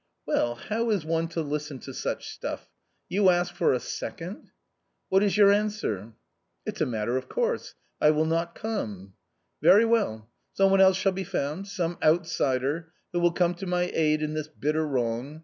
Well ; how is one to listen to such stuff : you ask for a second ?"" What is your answer ?"" It's a matter of course ; I will not come." " Very well ; some one else shall be found, some outsider, who will come to my aid in this bitter wrong.